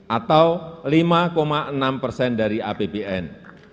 atau lima enam persen dari apbn